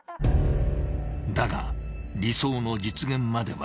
［だが理想の実現までは道半ば］